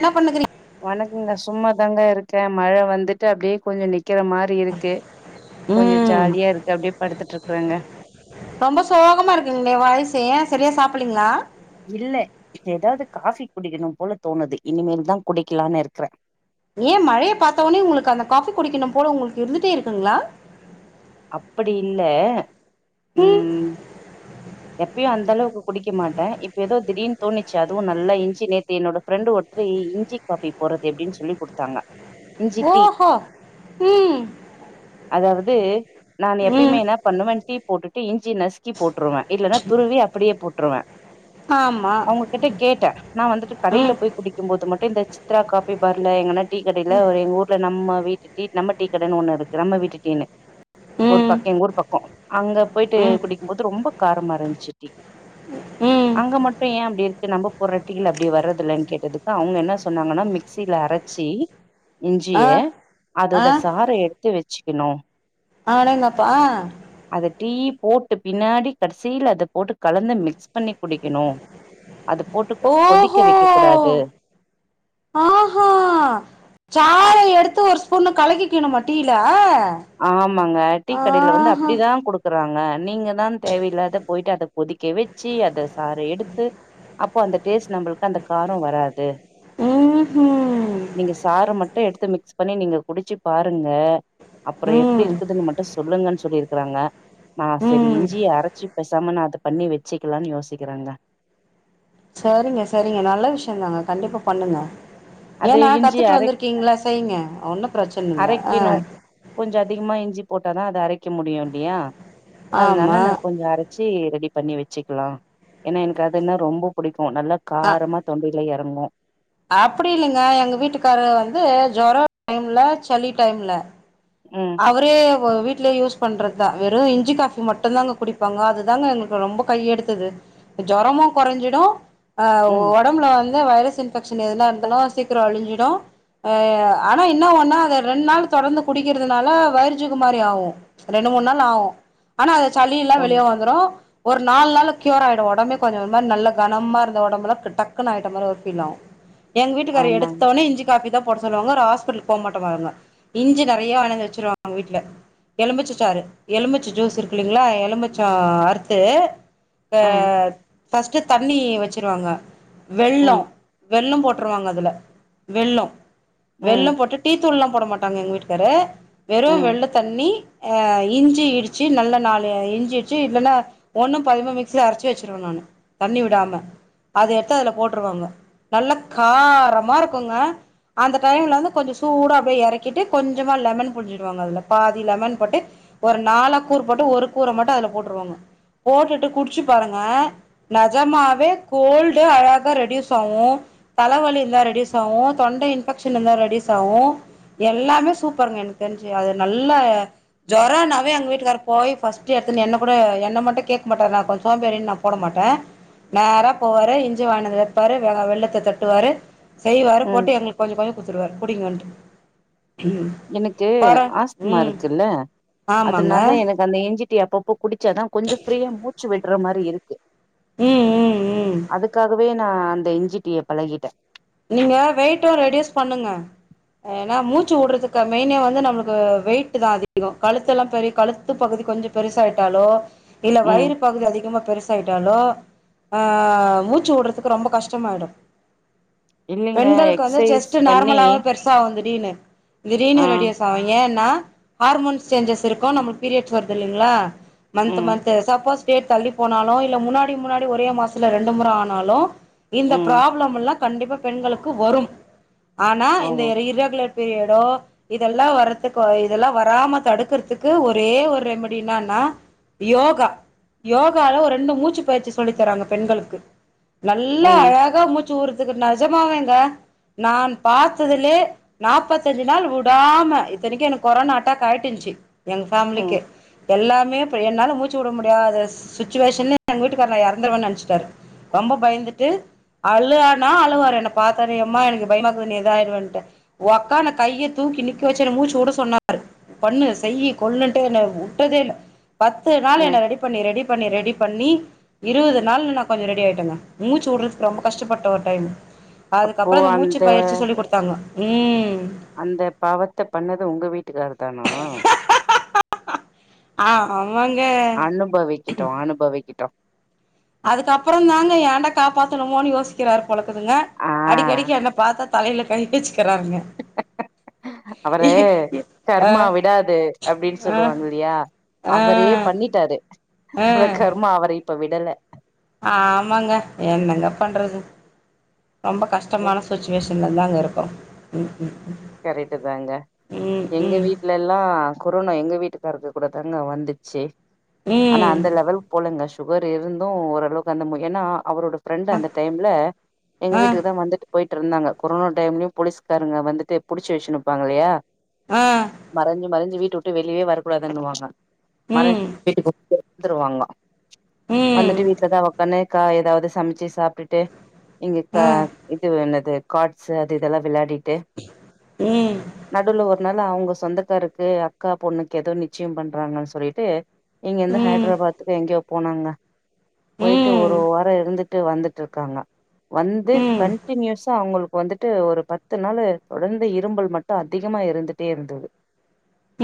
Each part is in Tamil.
என்னா பண்ணுனுருக்குறீ வணக்கங்க சும்மாதாங்க இருக்கே மழ வந்துட்டு அப்டியே கொஞ்ச நிக்கிற மாரி இருக்கு கொஞ்ச ம் ஜாலியா இரு க்கு அப்டியே படுத்துட்ருக்குறேங்க. ரொம்ப சோகமா இருக்குங்களே வாய்ஸே சரியா சாப்பட்லீங்களா? இல்ல எதாவது காஃபி குடிக்கணும் போல தோணுது. இனிமேல்தா குடிக்கலான்னு இருக்கறே. ஏன் மழைய பாத்தவுடனே உங்களுக்கு அந்த காஃபி குடிக்கணும் போல உங்களுக்கு இருந்துட்டே இருக்குங்களா? அப்படி இல்ல ம் எப்பயு அந்த அளவுக்கு குடிக்க மாட்டே. இப்ப எதோ திடீர்னு தோணிச்சு அதுவு நல்ல இஞ்சி நேத்து என்னோட ஃப்ரெண்டு ஒருத்தரு இ இஞ்சி காப்பி போட்றது எப்டின்னு சொல்லி குடுத்தாங்க இஞ்சி டீ ஓஹோ ம் அதாவது நானு ம் எப்பயுமே என்னா பண்ணுவே டீ போட்டுட்டு இஞ்சி நசுக்கி போ ட்ருவே இல்லன்னா துருவி அப்படியே போட் ட்ருவே ஆமா அவங்க கிட்ட கேட்டே நா வந்துட்டு கடைல ம் போய் குடிக்கும் போது மட்டு இந்த சி த்ரா காப்பி பார்ல எங்கனா டீ கடைல எங்க ஊர்ல நம்ம வீட்டு டீ நம்ம டீ கடைன்னு ஒண்ணு இருக்கு நம்ம வீட்டு டீன்னு ஊர் ம் பக்க எங்க ஊர் பக்கோ அங்க போயிட்டு ம் குடிக்கும்போது ரொம்ப காரமா இருந்துச்சு டீ ம் அங்க மட்டு ஏன் அப்டி இருக்கு நம்ப போட்ற டீ ல அப்டி வர்றதில்லைன்னு கேட்டதுக்கு அவங்க என்ன சொன்னாங்கன்னா மிக்சியில அரைச்சி ஆ இஞ்சிய ஆ அதோட சார எடுத்து வச் க்கணு அடேங்கப்பா ஆ டீ போட்டு பின்னாடி கடசீல அத போட்டு கலந்து மிக்ஸ் பண்ணி குடிக்கணு அது போட்டு கொதிக்க ஓஹோ வைக்க கூடாது ஆஹா சாற எடு த்து ஒரு ஸ்பூனு கலக்கிக்கணுமா டீல ஆமாங்க டீக்கடைல வந்து ஆஹா அப்டிதா குடுக்க றாங்க நீங்கதான் தேவையில்லாத போயிட்டு அத கொதிக்க வச்சு அத சாறு எடுத்து அப் பவு அந்த டேஸ் ட்டு நம்பளுக்கு அந்த காரோ வராது. ம்ஹூம் நீங்க சாற மட்டு எடு த்து மிக்ஸ் பண்ணி நீங்க குடிச்சு பாருங்க அப்பற எப்டி ம் இருக்குதுன்னு மட்டு சொல்லுங்கன்னு சொ சொல்லிருக்கறாங்க நா ம் செரி ம் இஞ்சிய அரைச்சு பேசாம நா அத பண்ணி வச்சுக்கலான்னு யோசிக்கிறங்க. சரிங்க சரிங்க நல்ல விஷயந்தாங்க கண்டிப்பா பண்ணுங்க. அது ஏன்னா இஞ்சி கத்துட்டு அரை வந்திருக்கீங்ல செய்ங்க ஒன்னு பிரச்சன இல்ல ஆ அரைக்கணு கொஞ்சோ அதிகமா இஞ்சி போட்டாதா அது அரை க்க முடியு இல்லையா? ஆமா அதனால நா கொஞ்சோ அரை ச்சு ரெடி பண்ணி வச்சுக்கலா ஏன்னா எனக்கு அதுன்னா ரொம்ப புடிக் கு நல்லா காரமா தொண்டைல எற ங்கு அப்டி இல்லைங்க எங்க வீட்டுக்காரரு வந்து ஜொரோ டைம்ல சளி டைம்ல ம், அவரு ப்போ வீட்ல யூஸ் பண்றதுதா வெறு இஞ்சி காஃபி மட்டுந்தாங்க குடிப்பாங்க அதுதாங்க எங்களுக்கு ரொம்ப கையெடுத்தது அ ஜொரமு கொறஞ்சிடு ஆ ம். ஒடம்புல வந் து வைரஸ் இன்பெக்ஷன் எதுனா இருந்தாலு சீக்கிரோ அழிஞ்சிடு ஆ ஆனா என்னா ஒன்னுனா அத ரெண்டு நாள் தொடர்ந்து குடி க்கறதுனால வயிறு சுகு மாரி ஆகு ரெண்டு மூணு நாள் ஆகு ஆனா அது சளி எல்லா வெளிய போணும். வந்துரு ஒரு நாலு நாள்ல கியூர் ஆயிடு ஒடம்பே கொஞ்ச இது மாரி நல்ல கனமா இருந்த ஒடம்பல்லா க் டக்குனு ஆயிட்ட மாரி ஒரு ஃபீல் ஆகு. எங்க வீட்டுக்கார்ரு ஆமாங்க. எடுத்தவுட்னே இஞ்சி காஃபிதா போட சொல்லுவாங்க ஒரு ஹாஸ்பிட்டலுக்கு போக மாட்டாங்க அவுங்க இஞ்சி நெறைய வாங்கினு வந்து வச்சிருவாங்க வீட்ல. எலுமிச்ச சாறு எலுமிச்ச ஜூஸு இருக்கு இல்லைங்ளா எலுமிச்சோ அறுத்து ஆ ஃபஸ்ட்டு தண்ணி வச்சிருவாங்க வெல்லோ ம், வெல்லம் போ ட்ருவாங்க அதுல வெல்லோ ம், வெல்லம் போட்டு டீ த்தூள்லா போட மாட்டாங்க எங்க வீட் டுக்கார்ரு வெறு ம், வெல்லத் தண்ணி ஆ இஞ்சி இடிச்சு நல்லா நாலு இஞ்சி இடிச்சு இல்லன்னா ஒண்ணும் பாதியுமா மிக்ஸில அரைச்சி வச்சுருவே நானு தண்ணி விடாம. அத எடுத்து அதுல போட்ருவோங்க நல்லா காரமா இருக்குங்க அந்த டைம்ல வந்து கொஞ்ச சூடா அப்டியே எறக்கிட்டு கொஞ்சமா லெமன் புழிஞ்சிடுவோங்க அதுல பாதி லெமன் போட்டு ஒரு நாலா கூறு போட்டு ஒரு கூற மட்டு அதுல போட்ருவோங்க. போட்டுட்டு குடிச்சு பாருங்க நெஜமாவே கோல்டே அழகா ரெட்யூஸ் ஆவு தலவலி எல்லா ரெட்யூஸ் ஆவு தொண்டை இன்பெக்ஷன் இருந்தா ரெட்யூஸ் ஆவு எ ல்லாமே சூப்பருங்க எனக்கு தெரிஞ்சு அது நல்ல ஜொரோன்னாவே எங்க வீட்டுக்காரு போயி ஃபர்ஸ்ட்டு எடுத்துனு என்ன கூட என்ன மட்டு கேக்க மாட்டாரு நா கொஞ்சோ சோம்பேறின்னு நா போட மாட்டே நேரா போவாரு இஞ்சி வாங்கினு வந்து வைப்பாரு வெ வெல்லத்த தட்டுவாரு செய்வாரு ம். போட்டு எங்களுக்கு கொஞ்ச கொஞ்ச குடுத்துடுவாரு குடிங்கன்ட்டு. எனக்கு கொற ஆஸ்துமா ம் இருக்குல்ல ஆமாங்க அதனால எனக்கு அந்த இஞ்சி டீ அப்பப்போ குடிச்சாதா கொஞ்சோ ஃப்ரீயா மூச்சு விடுற மாரி இருக்கு ம் ம் ம் அதுக்காகவே நா அந்த இஞ்சி டீ ய பழகிட்டே நீங்க வெயிட்டு ரெடியூஸ் பண்ணுங்க ஏன்னா மூச்சு உடுறதுக்கு மெயினே வந்து நம்மளுக்கு வெயிட்டுதா அதிகோ கழுத்து எல்லா பெரிய கழுத்து பகுதி கொஞ்ச பெருசு ஆயிட்டாலோ இல்ல ம். வயிறு பகுதி அதிகமா பெருசாயிட்டாலோ ஆ மூச்சு உடுறதுக்கு ரொம்ப கஷ்டமாயிடு இல்லைங்க பெண்களுக்கு வந்து எக்சைஸ் செஸ்ட்டு பண்ணி நார்மலாவே பெருசா வந்து திடீர்னு திடீர்னு ஆ, ரெடியூஸ் ஆகு ஏன்னா ஹார்மோன்ஸ் சேஞ்சஸ் இருக்கு நம்மளுக்கு பீரியட்ஸ் வருது இல்லைங்களா மந்த்து ம், மந்த்து சப்போஸ் டேட் தள்ளி போனாலோ இல்ல முன்னாடி முன்னாடி ஒரே மாசத்ல ரெண்டு முற ஆனாலு இந்த ம். ப்ராப்ளம் எல்லா கண்டிப்பா பெண்களுக்கு வரும் ஆனா இந்த ஓஹோ! எ இர்ரெகுலர் பீரியடோ இதெல்லா வரதுக்கு இதெல்லா வராம தடுக்கறதுக்கு ஒரே ஒரு ரெமடி என்னன்னா யோகா யோகால ஒரு ரெண்டு மூச்சு பயிற்சி சொல்லி தராங்க பெண்களுக்கு நல்லா ம், அழகா மூச் சு உடுறதுக்கு நெ ஜமாவேங்க நான் பாத்ததுலயே நாப்பத்தஞ்சு நாள் விடாம இத்தனைக்கி எனக்கு கொரோனா அட்டாக் ஆயிட்டுருந்துச்சி எங்க ஃபேமிலிக்கி ம், எல்லாமே இப்ப என்னால மூச்சு விட முடியாத ஸ் சுச்சுவேஷனு எங்க வீட்டுக்கார்ரு நா எறந்துருவன்னு நெனச்சிட்டாரு ரொம்ப பயந்துட்டு அழுகன்னா அழுக அவரு என்ன பாத்தவுன்னே யம்மா எனக்கு பயமா இருக்குது நீ இதாயிருவன்ட்டு ஒக்காந்து கைய தூக்கி நிக்க வச்சு எனக்கு மூச்சு உட சொன்னாரு பண்ணு செய்யி கொள்ளுன்ட்டு என்ன உட்டதே இல்ல பத்து நாளு ம். என்ன ரெடி பண்ணி ரெடி பண்ணி ரெடி பண்ணி இருவது நாள்ல நா கொஞ்சோ ரெடி ஆயிட்டங்க மூச்சு உடுறதுக்கு ரொம்ப கஷ்டப்பட்ட ஒரு டைம் அதுக்கப்புற அந்த மூச்சு பயிற்சி சொல்லி குடுத்தாங்க ம் அந்த பாவத்த பண்ணது உங்க வீட்டுக்கார்ருதா னா? ஆ ஆ அனுபவிக்கட்டு அனுபவி க்கட்டு அதுக்கப்புறந்தாங்க ஏண்டா காப்பாத்துனமோன்னு யோசிக்கிறாரு போல இருக்குதுங்க ஆ. அடிக்கடிக்கி என்ன பாத்தா தலைல கை வச்சு அவரு கர்மா ஆ விடாது அப்டின்னு ஆ சொல்லுவாங்க இல்லையா ஆ அவரே பண்ணிட்டாரு ஆ அத கர்மா அவர இப்ப விடல ஆமாங்க என்னங்க பண்றது ரொம்ப கஷ்டமான சுச்சுவேஷன்ல தாங்க இருக்குறோ ம் கரெக்ட்டுதாங்க ம் எங்க ம் வீட்ல எல்லா கொரோனா எங்க வீட்டுக் கார்ருக்கு கூடதாங்க வந்துச்சு ம் ஆனா ம் அந்த லெவல் போலங்க சுகர் இருந்து ஓரளவுக்கு அந்த ம ஏன்னா அவரோட ஃபிரெண்ட் அந்த டைம்ல எங்க ஆ வீட்டுக்குதா வந்துட்டு போயி ட்ருந்தாங்க கொரோனா டைம்லயு போலீஸ்காரங்க வந்துட்டு புடிச்சு வச்சுனு இருப்பாங்க இல்லயா ஆ மறைஞ்சு மறைஞ்சு வீட் ட விட்டு வெளியவே வரக்கூடாதுன்னுவாங்க மறைஞ் ம் [inaudible] வந்துருவாங்க ம் வந்துட்டு வீட்லதா ஒக்காந்து காய் எதாவது சமைச்சு சாப்ட்டுட்டு இங்க கா ஆ இது என்னது கார்ட்ஸு அது இது எல்லா விளையாடி ட்டு ம் நடுவுல ஒரு நாள் ல அவங்க சொந்தக்கார்ருக்கு அக்கா பொண்ணுக்கு எதோ நிச்சயம் பண்றாங்கன்னு சொல்லிட்டு இங்கிருந்து ம் ஹைட்ராபாத்துக்கு எங்கயோ போனாங்க போயிட்டு ம் ஒரு வாரோ இருந்து ட்டு வந்துட்ருக்காங்க வந்து ம் கன்டினியூஸா அவங்களு க்கு வந்துட்டு ஒரு பத்து நாளு தொடர்ந் து இரும்பல் மட்டு அதிகமா இருந்துட்டே இருந்தது.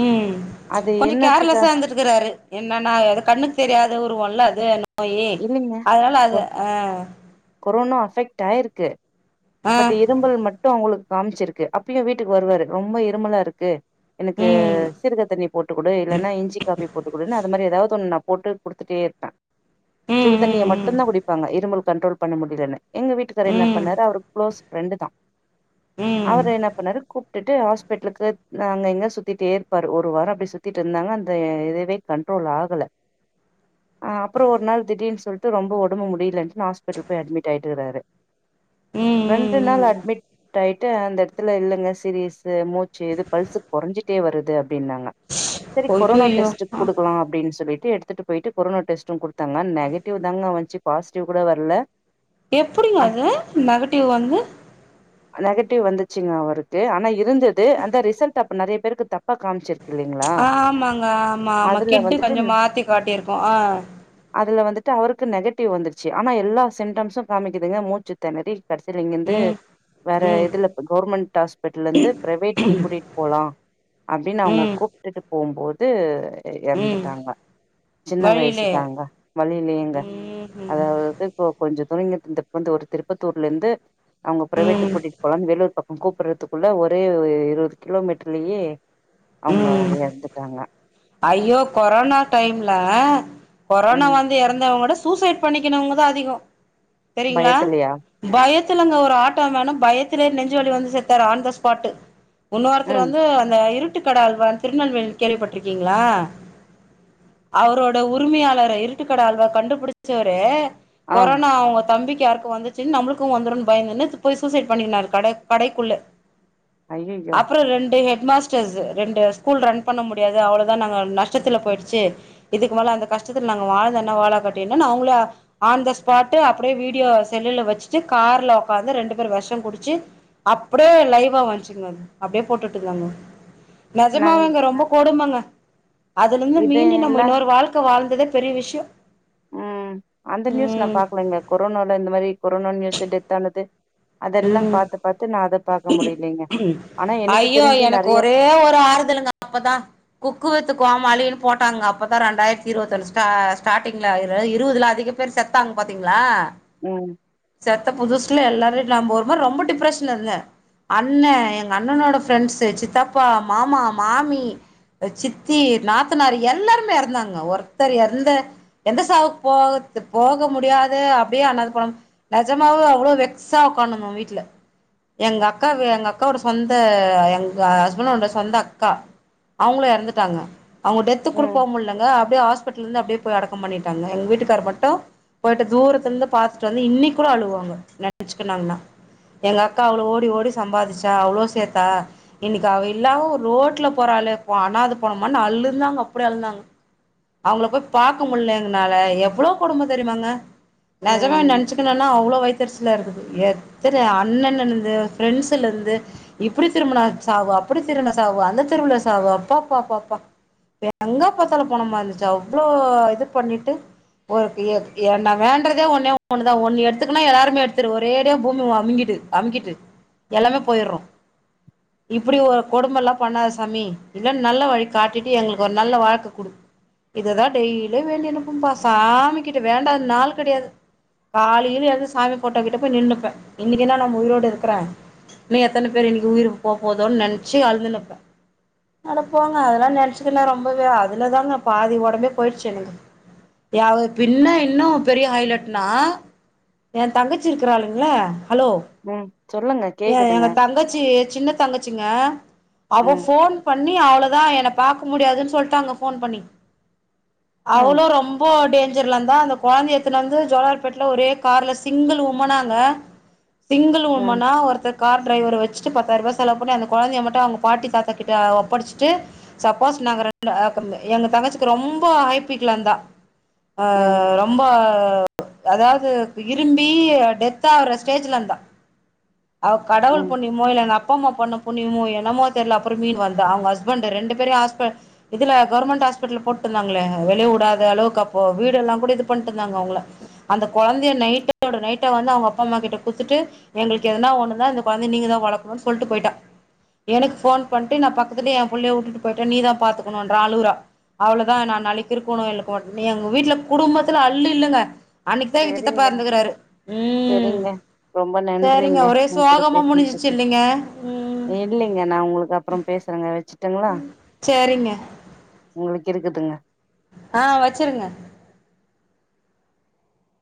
உம் அது கொஞ்ச என்னத்துக்கா கேர்லெஸ்ஸா இருந்துட்ருக்கிறாரு என்னன்னா அது கண்ணுக்கு தெரியாத உருவம்ல அது அந்த நோயி இல்லைங்க அதனால கொ அது ஆ கொரோனா அஃபெக்ட் ஆயிருக்கு ஆ பட் இரும்பல் மட்டு அவங்களுக் காமிச்சிருக்கு அப்பயு வீட்டுக்கு வருவாரு ரொம்ப இருமலா இருக்கு எனக்கு ம் சீரக தண்ணி போட்டுக்குடு இல்லன்னா இஞ்சி காஃபி போட்டுக்குடுன்னு அது மாரி எதாவ் தொன்னு நா போட்டு குடுத்துட்டே இருப்பே. ம் சுடுதண்ணிய ம் ம் மட்டுந்தா குடிப்பாங்க இருமல் கன்ட்ரோல் பண்ண முடியலன்னு எங்க வீட்டுக்கார்ரு என்ன ம் பண்ணாரு அவரு க்ளோஸ் ஃபிரெண்டுதா ம் அவரு என்னா பண்ணாரு கூ ப்ட்டுட்டு ஹாஸ்பிட்டலுக்கு ஆ அங்க இங்க சுத்திட்டே இருப்பாரு ஒரு வாரோ அப்டி சுத்திட்ருந்தாங்க அந்த இதுவே கன்ட்ரோல் ஆகல. ஆ அப்றோ ஒரு நாள் திடீர்னு சொல்ட்டு ரொம்ப ஒடம்பு முடியலன்ட்னு ஹாஸ்பிட்டல் போய் அட்மிட் ஆயிட்ருக்கறாரு. ம் ரெண்டு நாள் ம் ம் அட்மிட் டாயிட்டு அந்த எடத்துல இல்லங்க சீரியஸு மூச்சு இது பல்சு கொறைஞ்சிட்டே வருது அப்டின்னாங்க. செரி கொரோனா ஐய்யய்யோ டெஸ்ட்டுக்கு அ குடுக்கலா அப்டின்னு சொல்லி ட்டு எடுத்துட்டு போயிட்டு கொரோனா டெஸ்ட்டு குடுத்தாங்க நெகட்டிவ்தாங்க வந்துச்சு பாசிட்டிவ் கூட வரல எப்பிடிங்க அ அது நெக ட்டிவ் வந்து நெகட்டிவ் வந்துச்சுங்க அவருக்கு ஆனா இருந்தது அந்த ரிசல்ட் அப் ப நெறைய பேருக்கு த ஆ ஆமாங்க ஆமா ஆமா அதுல கிட்டு வந்துட்டு கொஞ்சம் மாத்தி காட்டியிருக்கு ஆ ந்துட்டு அவருக்கு நெகட்டிவ் வந்துருச்சு. ஆனா எல்லா சிம்டம்ஸு காமிக்குதுங்க மூச்சு தெணறி கடைசில இங்கிருந்து ம் வேற ம் இதுல அ கவுர்மெண்ட் ஹாஸ்பிட்டல்ல இருந்து பிரைவேட்டுக்கு கூட்டிட்டு போலா அப்டின்னு அவுங்க ம் கூப்டுட்டு போம்போ து எ ம் எறந்துட்டாங்க. சின்ன வழியிலே வயசுதாங்க வழியிலயேங்க ம் அதாவது இப்போ கொஞ்ச தொலைங்கத் இந்த இப்ப வந்து ஒரு திருப்பத்தூர் லர்ந்து அவங்க பிரைவேட்டுக்கு ம் ம் கூட்டிட் போலான்னு வேலூர் பக் கூப்புர்றதுக்குள்ள ஒரே இருவது கிலோமீட்டர்லெயே ம் ஐயோ கொரோனா டைம்ல கொரோனா ம் வந்து எறந்தவுங்கட சூசைட் பண்ணிக்கினவ்ங்க தா அதிகொ செரிங்ளா பயத்துலயா பய த்துலங்க ஒரு ஆட்டோ மேன பயத்திலே நெஞ்ச வலி வந்து செத்தாரு ஆன் த ஸ்பாட்டு உன்னோருத்தர் ம் வந்து அந்த இரு ட்டுக்கட அல்வா திருநெல்வேலி கேள்விப்பட்ருக்கீங்ளா? அவரோட உரிமையாளர இருட்டுக்கட ஆல்வா கண்டுபுடிச்சவரே ஆ கொரோனா அவுங்க தம்பி க்கி யாருக்கொ வந்துச்சுன் நம்ளுக்கு வந்துருன் பயந்துனு போய் சூசைட் பண்ணிகினார் கட கடைக்குள்ள ஐயையோ அப்றொ ரெண்டு ஹெட் மாஸ் டர்ஸு ரெண்டு ஸ்கூல் ரன் பண்ண முடியாது அவ்ளொதா நாங்க நஷ்டத்துல போயிர்ச்சு இதுக்கு மேல அந்த கஷ்டத்துல நாங்க வாழ்ந்தென்ன வாழா காட்டி என்னன் அவுங்கள ஆன் த ஸ்பாட்டே அப்புடே‌ வீடியோ செல்லுல வச்சுட்டு கார்ல ஒக்காந்து ரெண்டு பேர் வெஷங்குடுச்சு அப்புடே லைவா வன்ச்சுங்க அப்டியே போட்டுட்ருந்தாங்க நெஜமா நாங்க தாங்க ரொம்ப கொடுமங்க அதுலந்து இது மீண்டு இல்ல நம்ம இன்னொரு வாழ்க்க வாழ் றதெ பெரிய விஷ்யொ ம் அந்த நியூஸ் நா பாக்கலங்க கொரோனால இந்த மாரி கொரோனா நியூஸு டெத்தானது அதெல்லா ம் பாத்து பாத்து நா அத பாக்க முடியலைங்க ஆனா எனக்கு ஐயோ தெரிஞ்ச எனக்கு நெறைய ஒரே ஒரு ஆறுதலுங்க அப்பதா குக்கு வித்து‌ கோமாளின்னு போட்டாங்க அப்பதா ரெண்டாயர்த்தி இருவத்தொன்னு ஸ்டா ஸ்டார்ட்டிங்ல இரு இருவதுல அதிக பேர் செத்தாங்க பாத்தீங்ளா ம் செத்த புதுசுல எல்லாரு [unintelligible] ரொம்ப டிப்ரஷன்ல இருந்த அண்ண, எங்க அண்ணனோட ஃப்ரெண்ட்ஸு, சித்தப்பா, மாமா, மாமி, சித்தி, நாத்தனார் எல்லாருமே எறந்தாங்க ஒருத்தர் எறந்த எந்த சாவுக்கு போகற்து போக முடியாத அப்டியே அனாத பொனம் நெஜமாவே அவ்ளோ வெக்ஸா ஒக்காந்துருந்தோ வீட்ல எங்கக்கா வ எங்கக்கா ஒட சொந்த எங்க ஹஸ்பண்ட் ஓட சொந்த அக்கா அவுங்களு எறந்துட்டாங்க அவுங்க டெத்துக்குட போ ம் முல்லங்க அப்டியே ஹாஸ் பிட்டல்லெந்து அப்டியே போய் அடக்கம் பண்ணிட்டாங்க எங்க வீட்டுக்கார் மட்டு போயிட்டு தூரத்லந்து பாத்துட்டு வந்து இன்னைக் கூட அழுவாங்க [inaudible] எங்க அ க்கா அவ்ளொ ஓடி ஓடி சம்பாதிச்சா அவ்ளோ சேத்தா இன்னக்கி அவ இல்லாம ஒ ரோட்ல போறாளே ப அனாத பொனமானு அழுந்தாங்க அப்டி அழுந்தாங்க அவுங்கள போய் பாக்க முல்ல எங்கனால எவ்ளோ கொடும தெரியுமாங்க நெஜமா ம் நெனச்சிக்கினெனா அவ்ளோ வைத் தெரிச்சலா இருக்குது எத்தன அண்ணன்ன ந்து ஃப்ரெண்ட்ஸுலெந்து இப்பிடி திரும்புனா சாவு அப்பிடி திரும்புனா சாவு அந்த தெருவுல சாவு அப்பாப்பாப்பப்பா எங்க பாத்தலு பொனமா இருந்துச்சு அவ்ளோ இது பண்ணிட்டு ஒ எ‌ எ‌ நா வேண்ட்றதே ஒன்னே ஒண்ணுதா ஒண்ணு எடுத்துக்கனா எல்லாருமே எடுத்துரு ஒரேடியே பூமி அமுங்கிடு அம்கிட்டு எல்லாமே போயர்றோ இப்பிடி ஒ கொடும்மல்லா பண்ணாத சாமி இல்ல நல்ல வழி காட்டிட்டு எங்ளுக்கு ஒரு நல்ல வாழ்க்க குடு இததா டெய்லி வேண்டினுப்பம்பா சாமி கிட்ட வேண்டாத நாள் கெடயாது காலைல எழுந்து சாமி ஃபோட்டோ கிட்ட போய் நின்னுப்பே இன்னக்கி என்னா ந னு உயிரோட இருக்குறே இன்னு எத்தன பேரு இன்னக்கி உயிரு போ போதோன் நென்ச்சு அழ்துனுப்பே அடப்போங்க அதுல்லா நென்ச்சுகினா ரொம்பவே அதுலதாங்க பாதி ஒடம்பே போயிர்ச்சு எனக்கு ஏ அவுங்க பின்ன இன்னு பெரிய ஹைலட்னா எந்தங்கச்சி இருக்குறாளுங்ள ஹலோ ம் சொல்லுங்க ஏ கேக்குதுங்க எங்க தங்கச்சி சின்ன தங்கச்சிங்க அவ ம் ஃபோன் பண் பண்ணி அவ்ளோதா என்ன பாக்க முடியாதுன்னு சொல்ட்டாங்க ஃபோன் பண்ணி ம் அவளும் ரொம்ப டேஞ் ஜர்லந்தா அந்த கொழந்தைய எத்துனு வந்து ஜோலார்பேட்ல ஒரே கார்ல சிங்கிள் உமனாங்க சிங்கிள் ம் உமன்னா ஒருத்தர் கார் டிரைவர வச்சிட்டு பத்தாயிரூபா செலவு பண்ணி அந்த கொழந்தைய மட்டும் அவங்க பாட்டி தாத்த கிட்ட ஒப்படைச்சிட்டு சப்போஸ் நாங்க ரெண் அபர்ல எங்க தங்கச்சிக்கு ரொம்ப ஹைப்பிக்ல இந்தா [inaudible] ஆ ம் ரொம்ப அதாவது இரும்பி டெத் ஆவற ஸ்டேஜ்ல இருந்தா அவ கடவுள் ம் புண்ணியமொ இல்ல அப்பா அம்மா பண்ண புண்ணியமோ என்னமோ தெரியல அப்புற மேல் வருது அவங்க ஹஸ்பண்ட் ரெண்டு பேர இதுல கவர்ர்மெண்ட் ஹாஸ்பிடல் போட்டுருந்தாங்களே வெளிலவுடாத அளவுக்கு அப்போ வீடு எல்லாம் கூட இது பண்ணட்டுருந்தாங்க அவங்கள அந்த குழந்தைய நைட்டோட நைட் வந்து அவங்க அப்பா அம்மா கிட்ட குடுத்துட்டு எங்களுக்கு எதனா ஒண்ணுனா கொழந்தைய வந்து நீங்க தான் வளர்க்கணும்னு சொல்லிட்டு போயிட்டா எனக்கு போன் பண்ணிட்டு நான் பக்கத்துலயே என் புள்ளைய விட்டுட்டு போயிட்டன் நீதான் பாத்துக்கணும்றா அழுவுறா அவ்ளதான் நான் நாளைக்கு இருப்பேனோ இல்லையோ எங்க வீட்ல குடும்பத்துல அள்ளு இல்லங்க அன்னைக்குதா எங்க சித்தப்பா சரிங்க எறந்திருக்கிறாரு ம் செரிங்க ரொம்ப செரிங்க நன்றிங்க ஒரே என் கூட சோகமா முடிஞ்சிரிச்சு பேசுனதுக்கு இல்லலைங்க ம் இல்லைங்க நா உங்களுக்கு அப்புறம் பேசுறேங்க வச்சுட் வெச்சுரட்டும்ங்களா சேரிங்க உங்களுக் இருக்கட்டும்ங்க ஆ வச்சருங்க